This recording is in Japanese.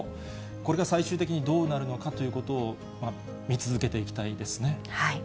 これが最終的にどうなるのかということを見続けていきたいですね。